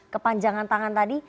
kepanjangan tangan tadi